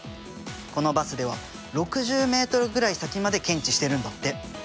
このバスでは６０ｍぐらい先まで検知してるんだって。